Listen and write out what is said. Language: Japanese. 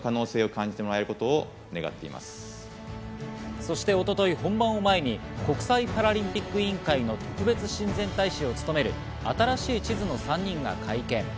そして一昨日、本番を前に、国際パラリンピック委員会の特別親善大使を務める、新しい地図の３人が会見。